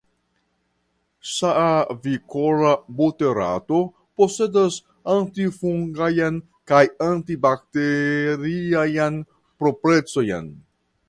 Ŝavikola buterato posedas antifungajn kaj antibakteriajn proprecojn.